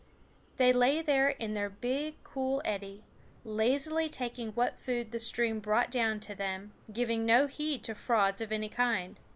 They lay there in their big cool eddy, lazily taking what food the stream brought down to them, giving no heed to frauds of any kind.